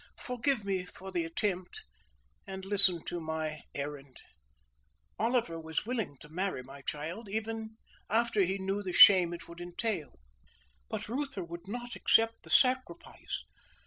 Forgive me for the attempt, and listen to my errand. Oliver was willing to marry my child, even after he knew the shame it would entail. But Reuther would not accept the sacrifice.